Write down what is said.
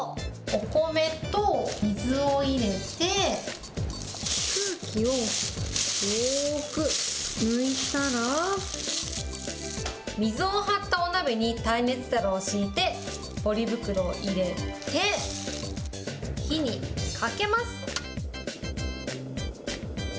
お米と水を入れて、空気をよーく抜いたら、水をはったお鍋に耐熱皿を敷いて、ポリ袋を入れて、火にかけます。